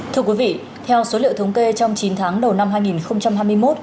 thưa quý vị theo số liệu thống kê trong chín tháng đầu năm hai nghìn hai mươi một